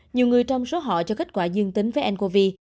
nhiều người trong số họ cho kết quả dương tính với ncov